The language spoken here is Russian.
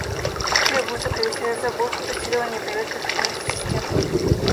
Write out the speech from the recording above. Потребуется провести разработку, тестирование и проверку эффективности системы.